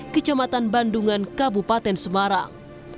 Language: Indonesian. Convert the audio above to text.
kecamatan bandungan kabupaten semarang